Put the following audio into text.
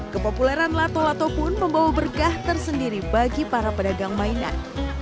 kepopuleran lato lato pun membawa berkah tersendiri bagi para pedagang mainan